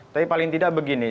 tapi paling tidak begini